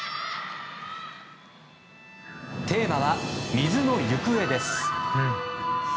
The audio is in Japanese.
テーマは「水のゆくえ」です。